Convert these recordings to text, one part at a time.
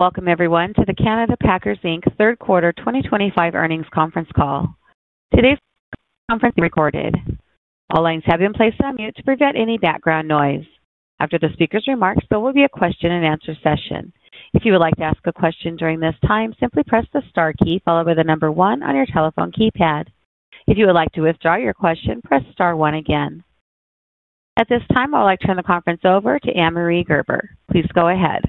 Welcome, everyone, to the Canada Packers Third Quarter 2025 Earnings Conference call. Today's conference is recorded. All lines have been placed on mute to prevent any background noise. After the speaker's remarks, there will be a question-and-answer session. If you would like to ask a question during this time, simply press the star key followed by the number one on your telephone keypad. If you would like to withdraw your question, press star one again. At this time, I would like to turn the conference over to Annemarie Gerber. Please go ahead.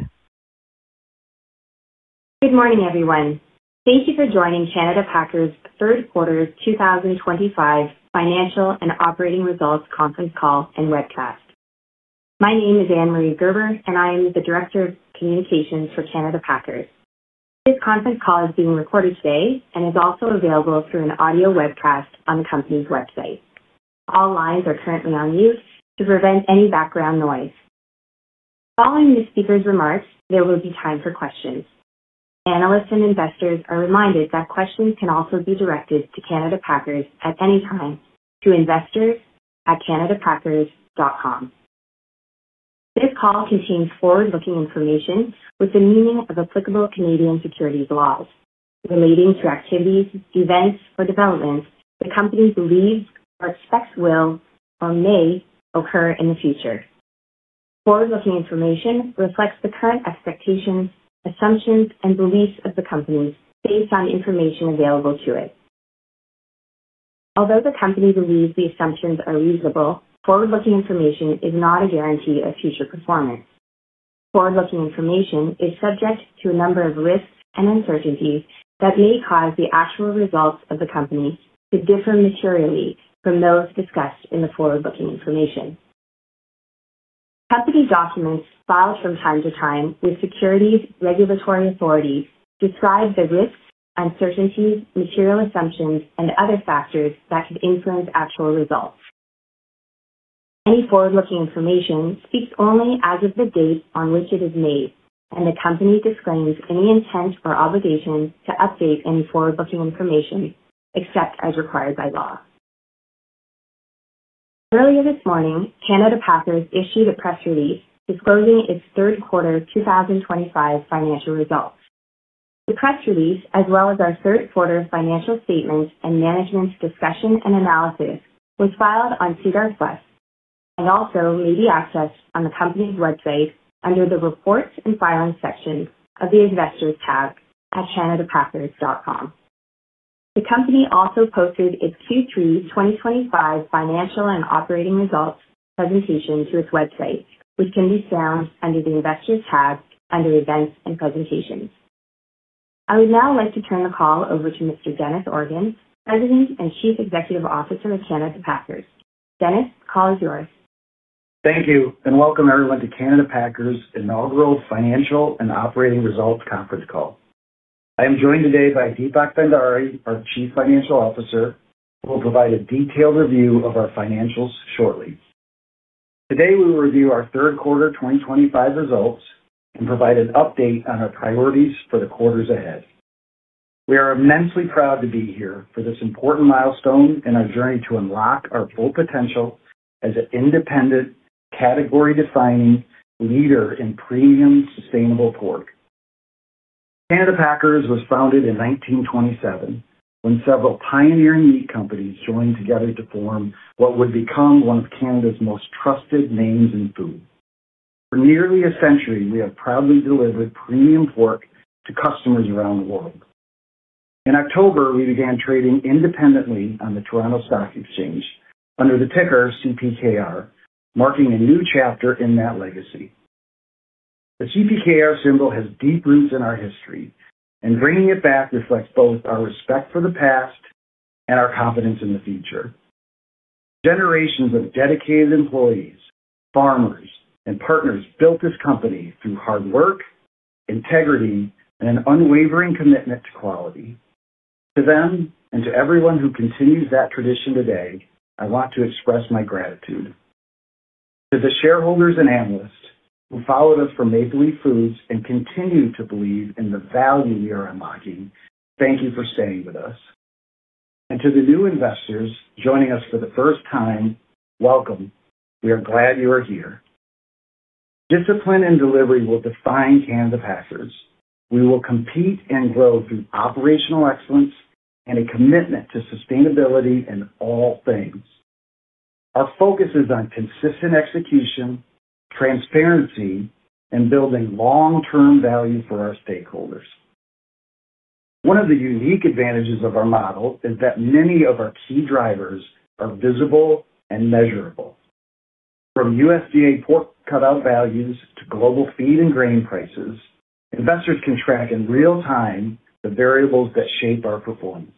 Good morning, everyone. Thank you for joining Canada Packers' Third Quarter 2025 Financial and Operating Results Conference Call and Webcast. My name is Annemarie Gerber, and I am the Director of Communications for Canada Packers. This conference call is being recorded today and is also available through an audio webcast on the company's website. All lines are currently on mute to prevent any background noise. Following the speaker's remarks, there will be time for questions. Analysts and investors are reminded that questions can also be directed to Canada Packers at any time to investors@canadapackers.com. This call contains forward-looking information with the meaning of applicable Canadian securities laws relating to activities, events, or developments the company believes, or expects will, or may occur in the future. Forward-looking information reflects the current expectations, assumptions, and beliefs of the company based on information available to it. Although the company believes the assumptions are reasonable, forward-looking information is not a guarantee of future performance. Forward-looking information is subject to a number of risks and uncertainties that may cause the actual results of the company to differ materially from those discussed in the forward-looking information. Company documents filed from time to time with securities regulatory authorities describe the risks, uncertainties, material assumptions, and other factors that could influence actual results. Any forward-looking information speaks only as of the date on which it is made, and the company disclaims any intent or obligation to update any forward-looking information except as required by law. Earlier this morning, Canada Packers issued a press release disclosing its Third Quarter 2025 financial results. The press release, as well as our third quarter financial statements and management's discussion and analysis, was filed on SEDAR+ and also may be accessed on the company's website under the Reports and Filings section of the Investors' tab at canadapackers.com. The company also posted its Q3 2025 financial and operating results presentation to its website, which can be found under the Investors' tab under Events and Presentations. I would now like to turn the call over to Mr. Dennis Organ, President and Chief Executive Officer of Canada Packers. Dennis, the call is yours. Thank you, and welcome everyone to Canada Packers' Inaugural Financial and Operating Results Conference Call. I am joined today by Deepak Bhandari, our Chief Financial Officer, who will provide a detailed review of our financials shortly. Today, we will review our Third Quarter 2025 results and provide an update on our priorities for the quarters ahead. We are immensely proud to be here for this important milestone in our journey to unlock our full potential as an independent, category-defining leader in premium sustainable pork. Canada Packers was founded in 1927 when several pioneering meat companies joined together to form what would become one of Canada's most trusted names in food. For nearly a century, we have proudly delivered premium pork to customers around the world. In October, we began trading independently on the Toronto Stock Exchange under the ticker CPKR, marking a new chapter in that legacy. The CPKR symbol has deep roots in our history, and bringing it back reflects both our respect for the past and our confidence in the future. Generations of dedicated employees, farmers, and partners built this company through hard work, integrity, and an unwavering commitment to quality. To them and to everyone who continues that tradition today, I want to express my gratitude. To the shareholders and analysts who followed us for Maple Leaf Foods and continue to believe in the value we are unlocking, thank you for staying with us. To the new investors joining us for the first time, welcome. We are glad you are here. Discipline and delivery will define Canada Packers. We will compete and grow through operational excellence and a commitment to sustainability in all things. Our focus is on consistent execution, transparency, and building long-term value for our stakeholders. One of the unique advantages of our model is that many of our key drivers are visible and measurable. From USDA pork cut-out values to global feed and grain prices, investors can track in real time the variables that shape our performance.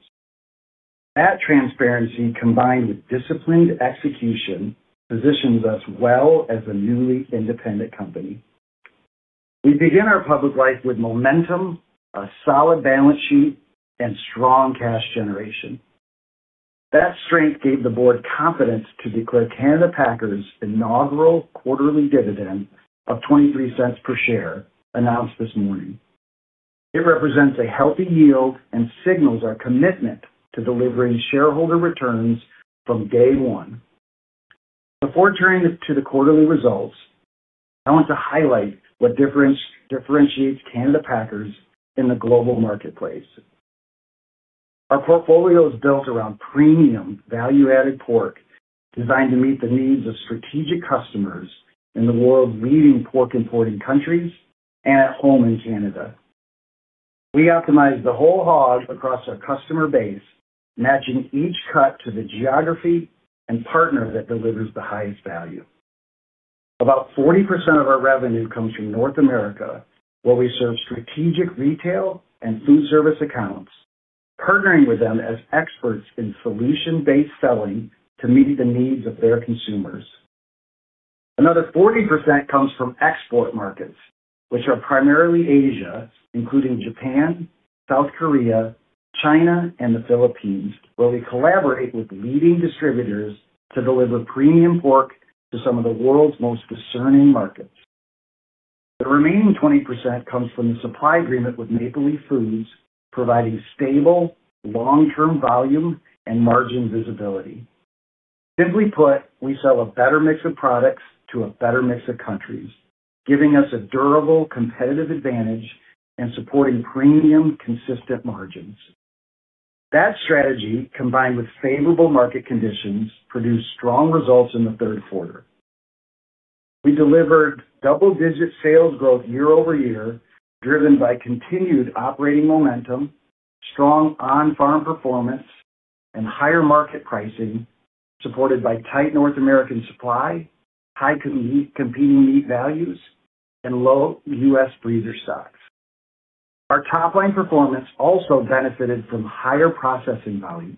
That transparency, combined with disciplined execution, positions us well as a newly independent company. We begin our public life with momentum, a solid balance sheet, and strong cash generation. That strength gave the board confidence to declare Canada Packers' inaugural quarterly dividend of 0.23 per share, announced this morning. It represents a healthy yield and signals our commitment to delivering shareholder returns from day one. Before turning to the quarterly results, I want to highlight what differentiates Canada Packers in the global marketplace. Our portfolio is built around premium value-added pork designed to meet the needs of strategic customers in the world's leading pork-importing countries and at home in Canada. We optimize the whole hog across our customer base, matching each cut to the geography and partner that delivers the highest value. About 40% of our revenue comes from North America, where we serve strategic retail and food service accounts, partnering with them as experts in solution-based selling to meet the needs of their consumers. Another 40% comes from export markets, which are primarily Asia, including Japan, South Korea, China, and the Philippines, where we collaborate with leading distributors to deliver premium pork to some of the world's most discerning markets. The remaining 20% comes from the supply agreement with Maple Leaf Foods, providing stable, long-term volume and margin visibility. Simply put, we sell a better mix of products to a better mix of countries, giving us a durable competitive advantage and supporting premium, consistent margins. That strategy, combined with favorable market conditions, produced strong results in the third quarter. We delivered double-digit sales growth year-over-year, driven by continued operating momentum, strong on-farm performance, and higher market pricing, supported by tight North American supply, high competing meat values, and low U.S. breeder stocks. Our top-line performance also benefited from higher processing volumes.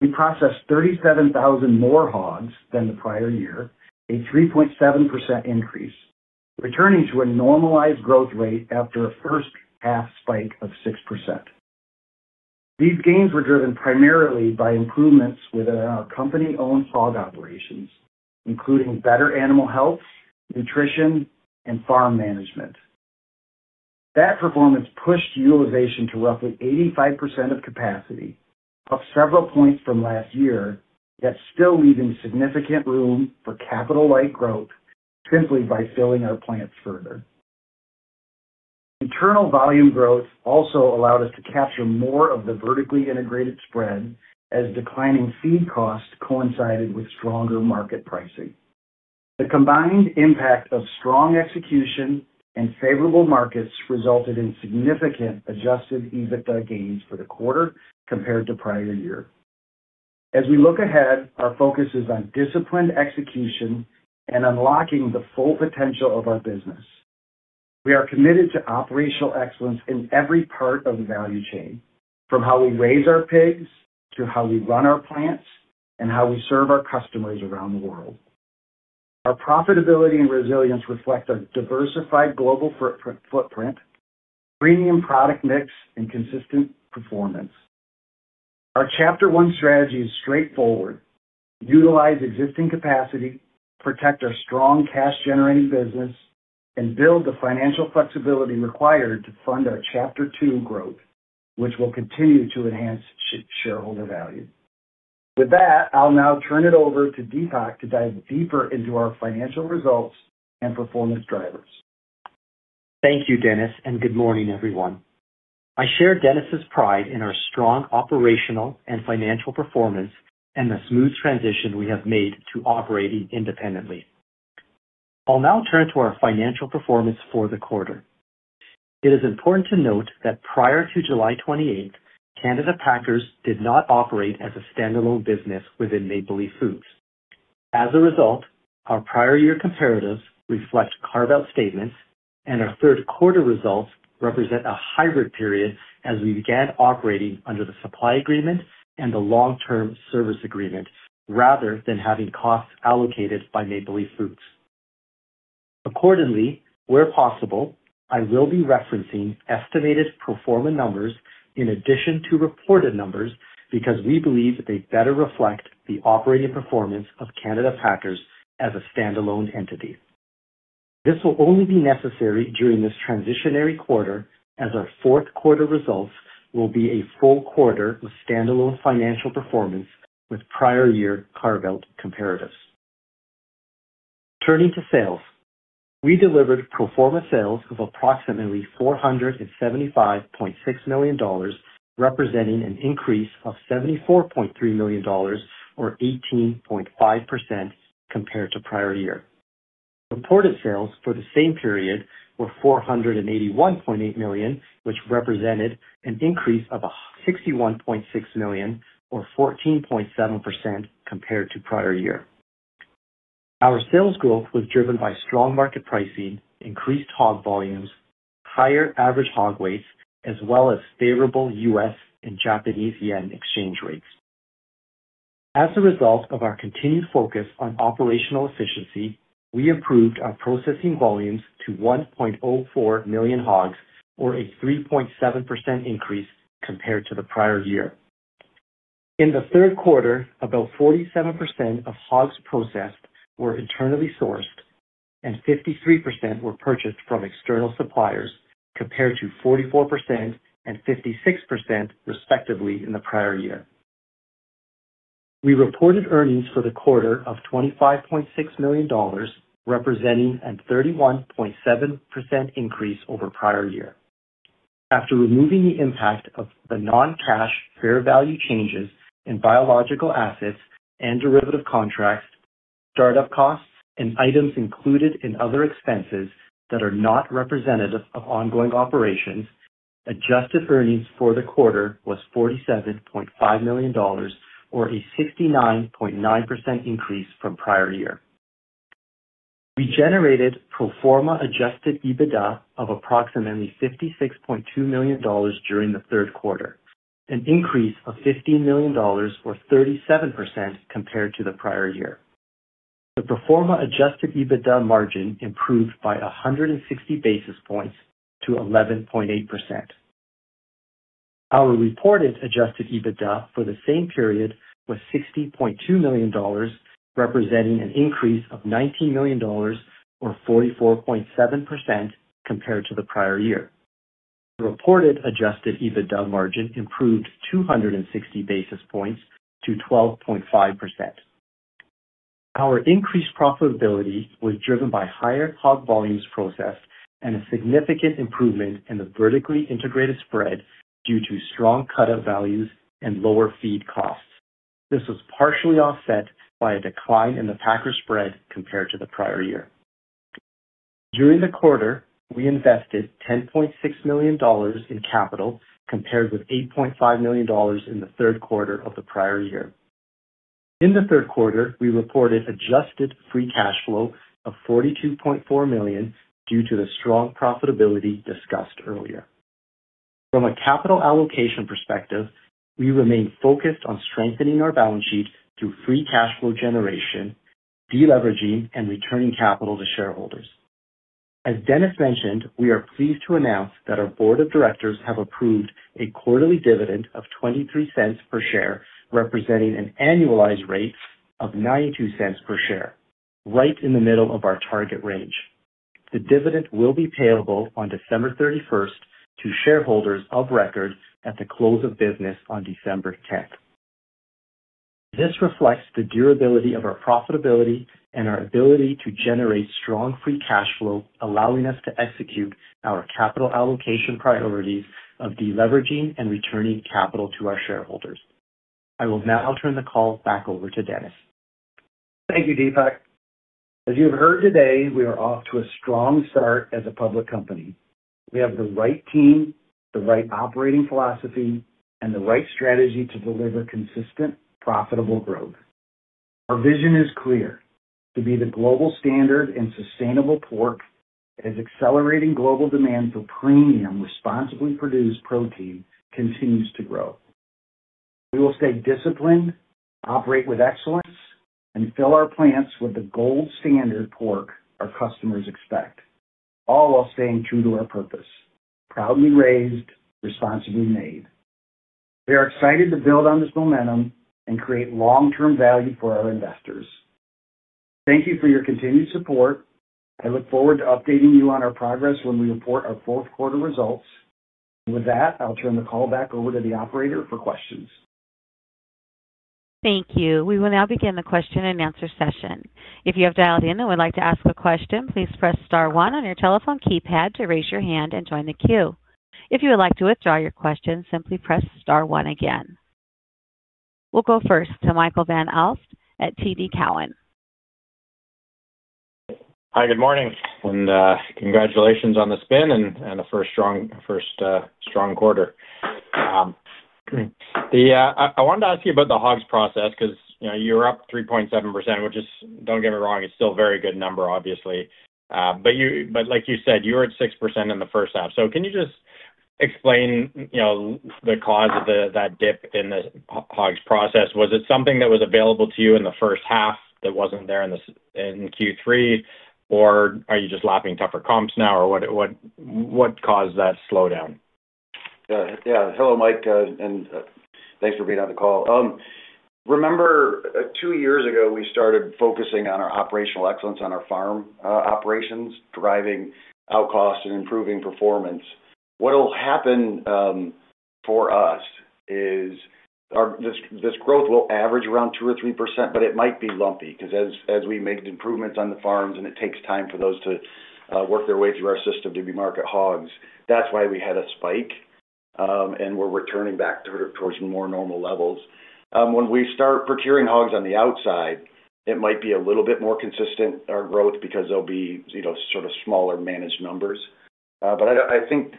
We processed 37,000 more hogs than the prior year, a 3.7% increase, returning to a normalized growth rate after a first-half spike of 6%. These gains were driven primarily by improvements within our company-owned hog operations, including better animal health, nutrition, and farm management. That performance pushed utilization to roughly 85% of capacity, up several points from last year, yet still leaving significant room for capital-like growth simply by filling our plants further. Internal volume growth also allowed us to capture more of the vertically integrated spread as declining feed costs coincided with stronger market pricing. The combined impact of strong execution and favorable markets resulted in significant Adjusted EBITDA gains for the quarter compared to prior year. As we look ahead, our focus is on disciplined execution and unlocking the full potential of our business. We are committed to operational excellence in every part of the value chain, from how we raise our pigs to how we run our plants and how we serve our customers around the world. Our profitability and resilience reflect our diversified global footprint, premium product mix, and consistent performance. Our Chapter One strategy is straightforward: utilize existing capacity, protect our strong cash-generating business, and build the financial flexibility required to fund our Chapter Two growth, which will continue to enhance shareholder value. With that, I'll now turn it over to Deepak to dive deeper into our financial results and performance drivers. Thank you, Dennis, and good morning, everyone. I share Dennis's pride in our strong operational and financial performance and the smooth transition we have made to operating independently. I'll now turn to our financial performance for the quarter. It is important to note that prior to July 28, Canada Packers did not operate as a standalone business within Maple Leaf Foods. As a result, our prior-year comparatives reflect carve-out statements, and our third-quarter results represent a hybrid period as we began operating under the supply agreement and the long-term service agreement rather than having costs allocated by Maple Leaf Foods. Accordingly, where possible, I will be referencing estimated performance numbers in addition to reported numbers because we believe they better reflect the operating performance of Canada Packers as a standalone entity. This will only be necessary during this transitionary quarter as our fourth-quarter results will be a full quarter with standalone financial performance with prior-year carve-out comparatives. Turning to sales, we delivered performance sales of approximately 475.6 million dollars, representing an increase of 74.3 million dollars, or 18.5%, compared to prior year. Reported sales for the same period were 481.8 million, which represented an increase of 61.6 million, or 14.7%, compared to prior year. Our sales growth was driven by strong market pricing, increased hog volumes, higher average hog weights, as well as favorable U.S. and Japanese yen exchange rates. As a result of our continued focus on operational efficiency, we improved our processing volumes to 1.04 million hogs, or a 3.7% increase compared to the prior year. In the third quarter, about 47% of hogs processed were internally sourced, and 53% were purchased from external suppliers, compared to 44% and 56%, respectively, in the prior year. We reported earnings for the quarter of 25.6 million dollars, representing a 31.7% increase over prior year. After removing the impact of the non-cash fair value changes in biological assets and derivative contracts, startup costs, and items included in other expenses that are not representative of ongoing operations, adjusted earnings for the quarter was 47.5 million dollars, or a 69.9% increase from prior year. We generated proforma-Adjusted EBITDA of approximately 56.2 million dollars during the third quarter, an increase of 15 million dollars, or 37%, compared to the prior year. The proforma-Adjusted EBITDA margin improved by 160 basis points to 11.8%. Our reported Adjusted EBITDA for the same period was 60.2 million dollars, representing an increase of 19 million dollars, or 44.7%, compared to the prior year. The reported Adjusted EBITDA margin improved 260 basis points to 12.5%. Our increased profitability was driven by higher hog volumes processed and a significant improvement in the vertically integrated spread due to strong cut-out values and lower feed costs. This was partially offset by a decline in the packer spread compared to the prior year. During the quarter, we invested 10.6 million dollars in capital, compared with 8.5 million dollars in the third quarter of the prior year. In the third quarter, we reported adjusted free cash flow of 42.4 million due to the strong profitability discussed earlier. From a capital allocation perspective, we remain focused on strengthening our balance sheet through free cash flow generation, deleveraging, and returning capital to shareholders. As Dennis mentioned, we are pleased to announce that our board of directors have approved a quarterly dividend of 0.23 per share, representing an annualized rate of 0.92 per share, right in the middle of our target range. The dividend will be payable on December 31 to shareholders of record at the close of business on December 10. This reflects the durability of our profitability and our ability to generate strong free cash flow, allowing us to execute our capital allocation priorities of deleveraging and returning capital to our shareholders. I will now turn the call back over to Dennis. Thank you, Deepak. As you have heard today, we are off to a strong start as a public company. We have the right team, the right operating philosophy, and the right strategy to deliver consistent, profitable growth. Our vision is clear: to be the global standard in sustainable pork as accelerating global demand for premium, responsibly produced protein continues to grow. We will stay disciplined, operate with excellence, and fill our plants with the gold standard pork our customers expect, all while staying true to our purpose: proudly raised, responsibly made. We are excited to build on this momentum and create long-term value for our investors. Thank you for your continued support. I look forward to updating you on our progress when we report our fourth-quarter results. With that, I'll turn the call back over to the operator for questions. Thank you. We will now begin the question-and-answer session. If you have dialed in and would like to ask a question, please press star one on your telephone keypad to raise your hand and join the queue. If you would like to withdraw your question, simply press star one again. We'll go first to Michael Van Aalst at TD Cowen. Hi, good morning, and congratulations on the spin and the first strong quarter. I wanted to ask you about the hogs processed because you were up 3.7%, which is, don't get me wrong, it's still a very good number, obviously. Like you said, you were at 6% in the first half. Can you just explain the cause of that dip in the hogs processed? Was it something that was available to you in the first half that was not there in Q3, or are you just lapping tougher comps now? What caused that slowdown? Yeah, hello, Mike, and thanks for being on the call. Remember, two years ago, we started focusing on our operational excellence on our farm operations, driving out costs and improving performance. What'll happen for us is this growth will average around 2-3%, but it might be lumpy because as we make improvements on the farms and it takes time for those to work their way through our system to be market hogs, that's why we had a spike, and we're returning back towards more normal levels. When we start procuring hogs on the outside, it might be a little bit more consistent, our growth, because there'll be sort of smaller managed numbers. I think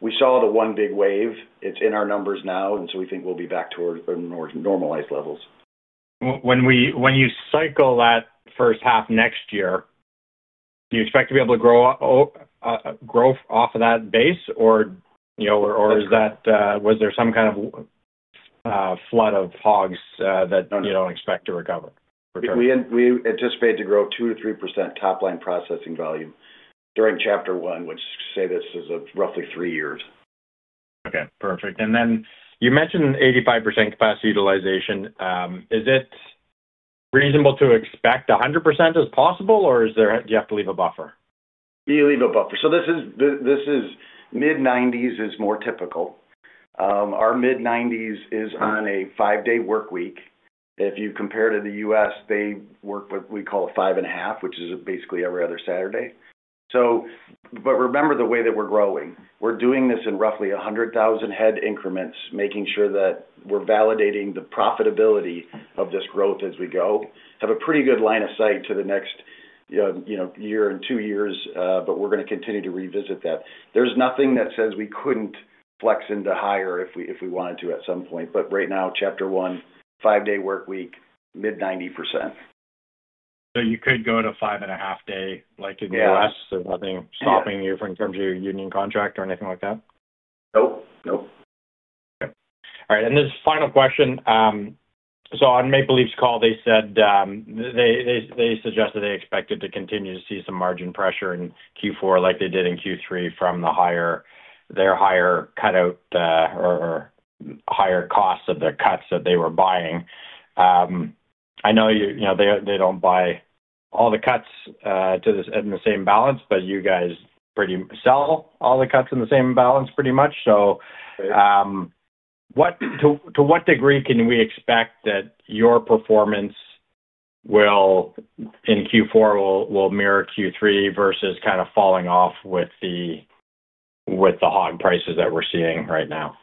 we saw the one big wave. It's in our numbers now, and so we think we'll be back toward normalized levels. When you cycle that first half next year, do you expect to be able to grow off of that base, or was there some kind of flood of hogs that you don't expect to recover? We anticipate to grow 2-3% top-line processing volume during Chapter One, which, say, this is roughly three years. Okay, perfect. And then you mentioned 85% capacity utilization. Is it reasonable to expect 100% is possible, or do you have to leave a buffer? You leave a buffer. This is mid-90s is more typical. Our mid-90s is on a five-day workweek. If you compare to the U.S., they work what we call a five and a half, which is basically every other Saturday. Remember the way that we're growing. We're doing this in roughly 100,000-head increments, making sure that we're validating the profitability of this growth as we go. Have a pretty good line of sight to the next year and two years, but we're going to continue to revisit that. There's nothing that says we couldn't flex into higher if we wanted to at some point. Right now, Chapter One, five-day workweek, mid-90%. You could go to five and a half day like in the U.S., so nothing stopping you in terms of your union contract or anything like that? Nope, nope. Okay. All right. This final question. On Maple Leaf's call, they suggested they expected to continue to see some margin pressure in Q4 like they did in Q3 from their higher cut-out or higher costs of the cuts that they were buying. I know they do not buy all the cuts in the same balance, but you guys sell all the cuts in the same balance, pretty much. To what degree can we expect that your performance in Q4 will mirror Q3 versus kind of falling off with the hog prices that we are seeing right now?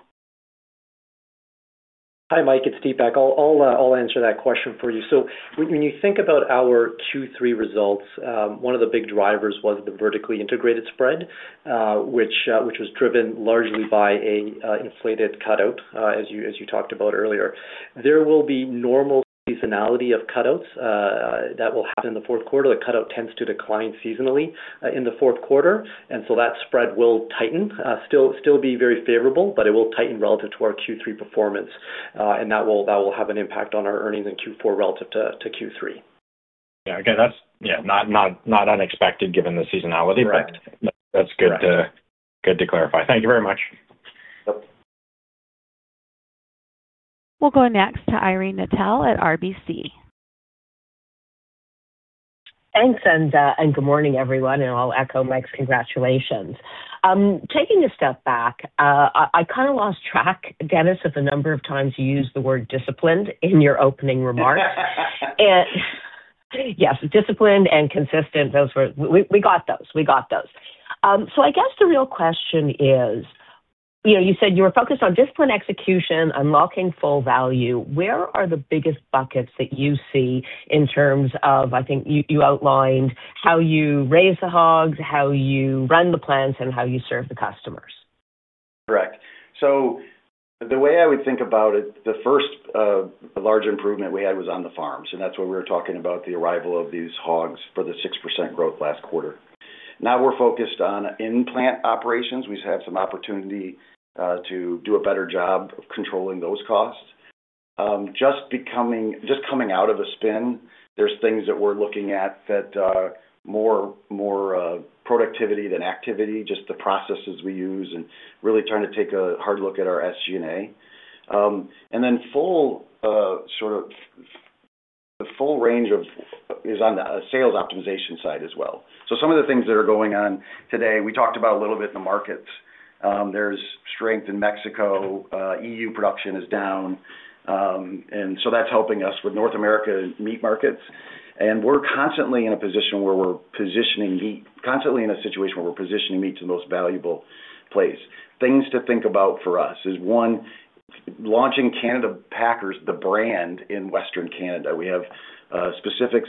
Hi, Mike. It's Deepak. I'll answer that question for you. When you think about our Q3 results, one of the big drivers was the vertically integrated spread, which was driven largely by an inflated cut-out, as you talked about earlier. There will be normal seasonality of cut-outs that will happen in the fourth quarter. The cut-out tends to decline seasonally in the fourth quarter, and that spread will tighten. Still be very favorable, but it will tighten relative to our Q3 performance, and that will have an impact on our earnings in Q4 relative to Q3. Yeah, again, that's not unexpected given the seasonality, but that's good to clarify. Thank you very much. We'll go next to Irene Nattel at RBC. Thanks, and good morning, everyone. I'll echo Mike's congratulations. Taking a step back. I kind of lost track, Dennis, of the number of times you used the word disciplined in your opening remarks. Yes, disciplined and consistent, we got those. We got those. I guess the real question is, you said you were focused on discipline execution, unlocking full value. Where are the biggest buckets that you see in terms of, I think you outlined, how you raise the hogs, how you run the plants, and how you serve the customers? Correct. The way I would think about it, the first large improvement we had was on the farms, and that's where we were talking about the arrival of these hogs for the 6% growth last quarter. Now we're focused on in-plant operations. We have some opportunity to do a better job of controlling those costs. Just coming out of a spin, there are things that we're looking at that are more productivity than activity, just the processes we use, and really trying to take a hard look at our SG&A. Then the full range is on the sales optimization side as well. Some of the things that are going on today, we talked about a little bit in the markets. There's strength in Mexico. EU production is down, and that's helping us with North America meat markets. We're constantly in a position where we're positioning meat, constantly in a situation where we're positioning meat to the most valuable place. Things to think about for us is, one, launching Canada Packers, the brand in Western Canada. We have a specific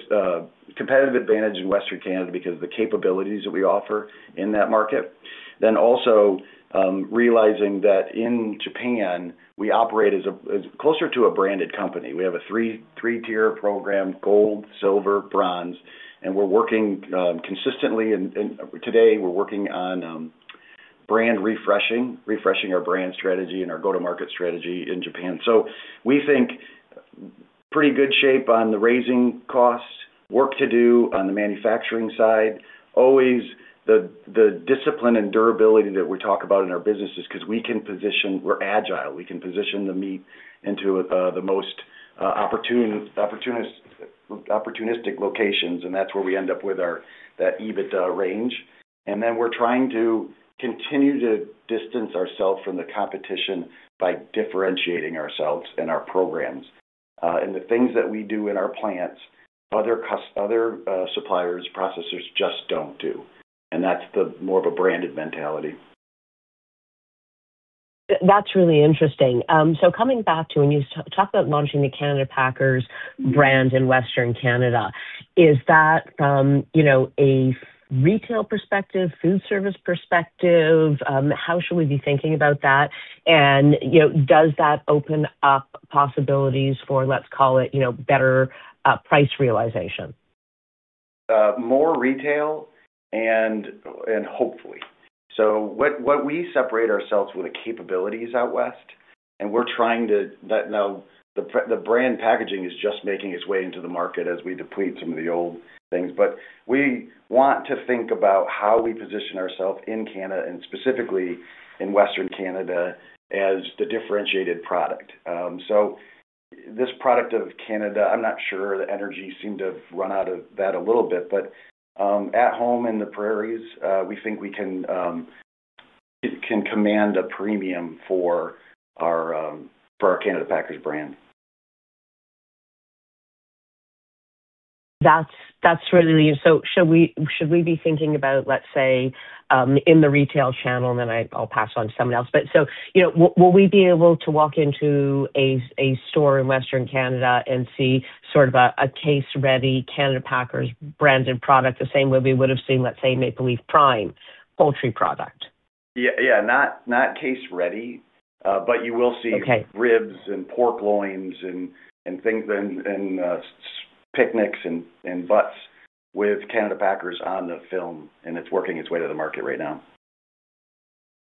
competitive advantage in Western Canada because of the capabilities that we offer in that market. Also, realizing that in Japan, we operate as closer to a branded company. We have a three-tier program: gold, silver, bronze, and we're working consistently. Today, we're working on brand refreshing, refreshing our brand strategy and our go-to-market strategy in Japan. We think we're in pretty good shape on the raising costs, work to do on the manufacturing side. Always the discipline and durability that we talk about in our businesses because we can position, we're agile. We can position the meat into the most opportunistic locations, and that is where we end up with that EBITDA range. We are trying to continue to distance ourselves from the competition by differentiating ourselves and our programs. The things that we do in our plants, other suppliers, processors just do not do. That is more of a branded mentality. That's really interesting. Coming back to when you talk about launching the Canada Packers brand in Western Canada, is that from a retail perspective, food service perspective? How should we be thinking about that? Does that open up possibilities for, let's call it, better price realization? More retail and hopefully. What we separate ourselves with are capabilities out west, and we're trying to, now the brand packaging is just making its way into the market as we deplete some of the old things. We want to think about how we position ourselves in Canada and specifically in Western Canada as the differentiated product. This product of Canada, I'm not sure, the energy seemed to have run out of that a little bit, but at home in the prairies, we think we can command a premium for our Canada Packers brand. That's really, so should we be thinking about, let's say, in the retail channel, and then I'll pass on to someone else. Will we be able to walk into a store in Western Canada and see sort of a case-ready Canada Packers branded product the same way we would have seen, let's say, Maple Leaf Prime poultry product? Yeah, not case-ready, but you will see ribs and pork loins and things and picnics and butts with Canada Packers on the film, and it's working its way to the market right now.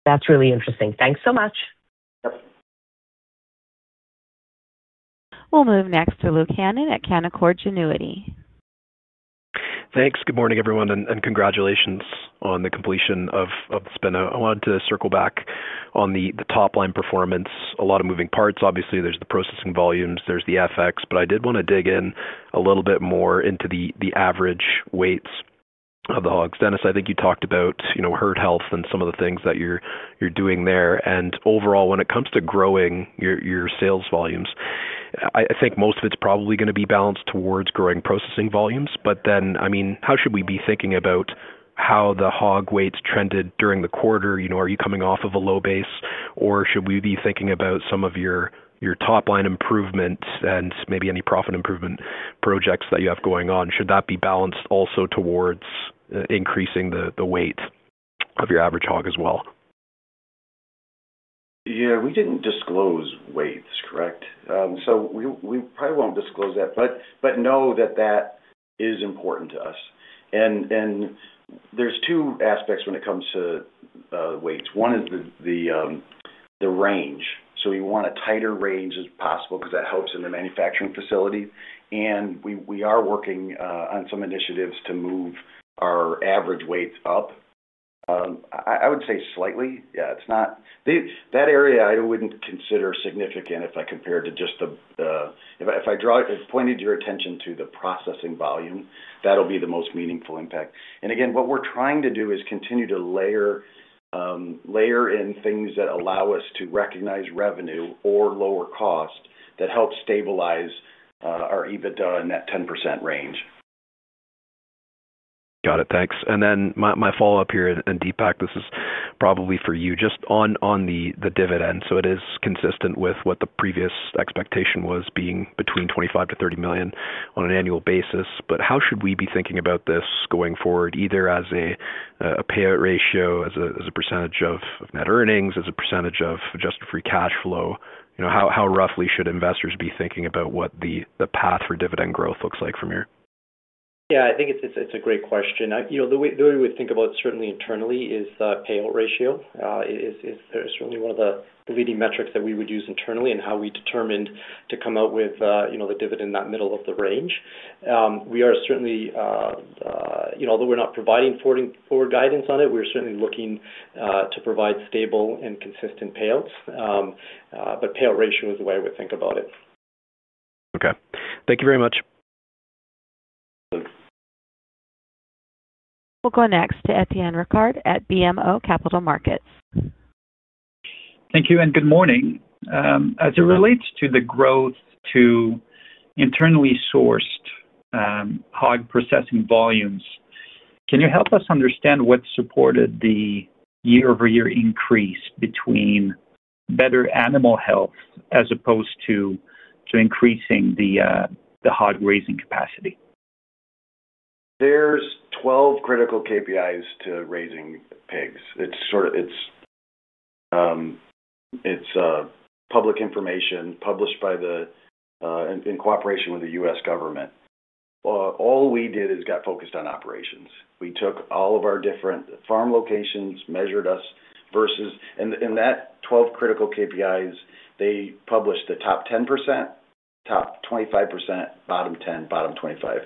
That's really interesting. Thanks so much. Yep. We'll move next to Luke Hannan at Canaccord Genuity. Thanks. Good morning, everyone, and congratulations on the completion of the spin. I wanted to circle back on the top-line performance. A lot of moving parts. Obviously, there's the processing volumes, there's the FX, but I did want to dig in a little bit more into the average weights of the hogs. Dennis, I think you talked about herd health and some of the things that you're doing there. Overall, when it comes to growing your sales volumes, I think most of it's probably going to be balanced towards growing processing volumes. I mean, how should we be thinking about how the hog weights trended during the quarter? Are you coming off of a low base, or should we be thinking about some of your top-line improvements and maybe any profit improvement projects that you have going on? Should that be balanced also towards increasing the weight of your average hog as well? Yeah, we did not disclose weights, correct? We probably will not disclose that, but know that that is important to us. There are two aspects when it comes to weights. One is the range. We want as tight a range as possible because that helps in the manufacturing facility. We are working on some initiatives to move our average weights up. I would say slightly. That area I would not consider significant if I compared to just the, if I pointed your attention to the processing volume, that will be the most meaningful impact. Again, what we are trying to do is continue to layer in things that allow us to recognize revenue or lower cost that help stabilize our EBITDA in that 10% range. Got it. Thanks. My follow-up here, and Deepak, this is probably for you, just on the dividend. It is consistent with what the previous expectation was, being between 25 million-30 million on an annual basis. How should we be thinking about this going forward, either as a payout ratio, as a percentage of net earnings, as a percentage of adjusted free cash flow? How roughly should investors be thinking about what the path for dividend growth looks like from here? Yeah, I think it's a great question. The way we would think about it certainly internally is payout ratio. It is certainly one of the leading metrics that we would use internally and how we determined to come out with the dividend in that middle of the range. We are certainly, although we're not providing forward guidance on it, we're certainly looking to provide stable and consistent payouts. Payout ratio is the way I would think about it. Okay. Thank you very much. We'll go next to Etienne Ricard at BMO Capital Markets. Thank you and good morning. As it relates to the growth to internally sourced hog processing volumes, can you help us understand what supported the year-over-year increase between better animal health as opposed to increasing the hog grazing capacity? There's 12 critical KPIs to raising pigs. It's public information published by the, in cooperation with the U.S. government. All we did is got focused on operations. We took all of our different farm locations, measured us versus in that 12 critical KPIs, they published the top 10%, top 25%, bottom 10, bottom 25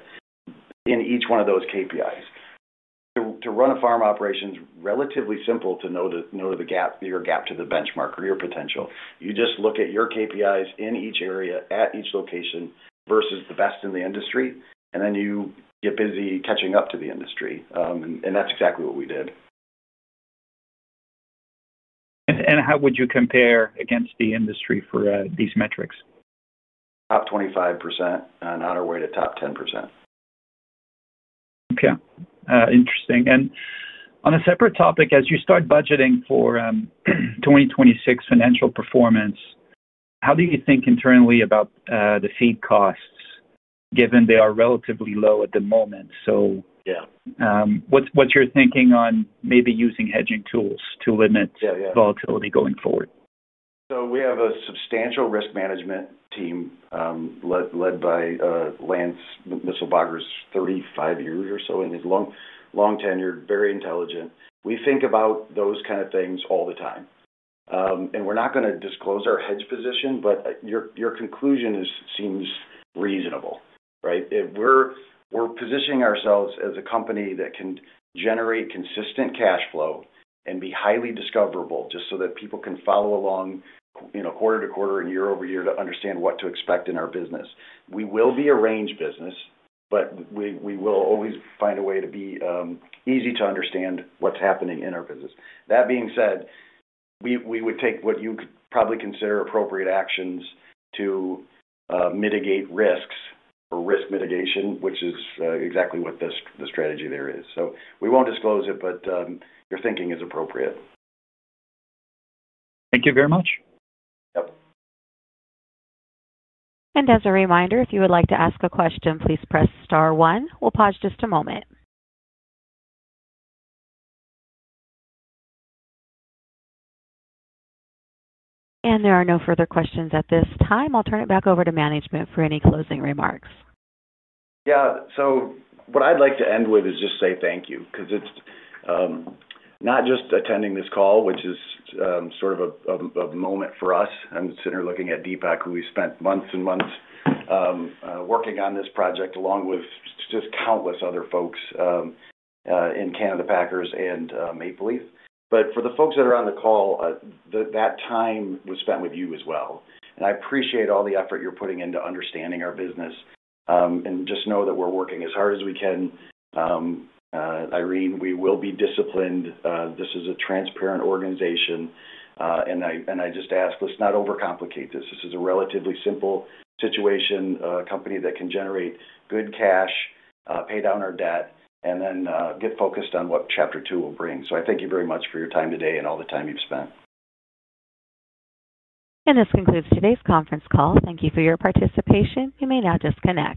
in each one of those KPIs. To run a farm operation is relatively simple to know your gap to the benchmark or your potential. You just look at your KPIs in each area at each location versus the best in the industry, and then you get busy catching up to the industry. That's exactly what we did. How would you compare against the industry for these metrics? Top 25% and on our way to top 10%. Okay. Interesting. On a separate topic, as you start budgeting for 2026 financial performance, how do you think internally about the feed costs, given they are relatively low at the moment? Yeah. What's your thinking on maybe using hedging tools to limit volatility going forward? We have a substantial risk management team led by Lance Musselbagger's 35 years or so. He is long-tenured, very intelligent. We think about those kind of things all the time. We are not going to disclose our hedge position, but your conclusion seems reasonable, right? We are positioning ourselves as a company that can generate consistent cash flow and be highly discoverable just so that people can follow along quarter to quarter and year-over-year to understand what to expect in our business. We will be a range business, but we will always find a way to be easy to understand what is happening in our business. That being said, we would take what you could probably consider appropriate actions to mitigate risks or risk mitigation, which is exactly what the strategy there is. We will not disclose it, but your thinking is appropriate. Thank you very much. Yep. As a reminder, if you would like to ask a question, please press star one. We'll pause just a moment. There are no further questions at this time. I'll turn it back over to management for any closing remarks. Yeah. What I'd like to end with is just say thank you because it's not just attending this call, which is sort of a moment for us. I'm sitting here looking at Deepak, who we spent months and months working on this project along with just countless other folks in Canada Packers and Maple Leaf. For the folks that are on the call, that time was spent with you as well. I appreciate all the effort you're putting into understanding our business. Just know that we're working as hard as we can. Irene, we will be disciplined. This is a transparent organization. I just ask, let's not overcomplicate this. This is a relatively simple situation, a company that can generate good cash, pay down our debt, and then get focused on what chapter two will bring. I thank you very much for your time today and all the time you've spent. This concludes today's conference call. Thank you for your participation. You may now disconnect.